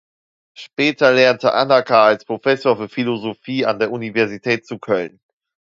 Später lehrte Anacker als Professor für Philosophie an der Universität zu Köln.